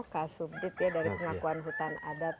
kak subdit ya dari pengakuan hutan adat